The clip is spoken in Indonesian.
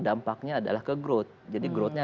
dampaknya adalah ke growth jadi growthnya